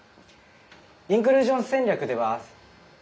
インクルージョン戦略では。